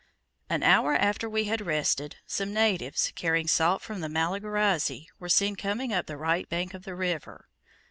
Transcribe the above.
An hour after we had rested, some natives, carrying salt from the Malagarazi, were seen coming up the right bank of the river.